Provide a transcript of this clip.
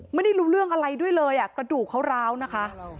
ไม่ได้รู้เรื่องอะไรด้วยเลยกระดูกเขาร้าวนะคะ